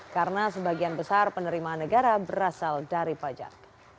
karena sebagian besar penerimaan negara berasal dari pajak